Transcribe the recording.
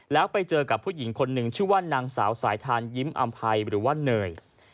แล้วไปเจอกับผู้หญิงคนหนึ่งชื่อว่านางสาวสายทานยิ้มอำภัยหรือว่าเนย